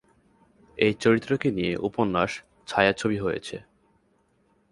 এই চরিত্রকে নিয়ে উপন্যাস, ছায়াছবি হয়েছে।